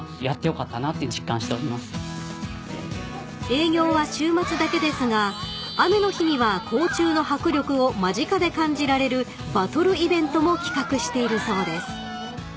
［営業は週末だけですが雨の日には甲虫の迫力を間近で感じられるバトルイベントも企画しているそうです］